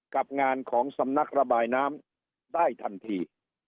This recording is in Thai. กับงานของสำนักระบายน้ำได้ทันที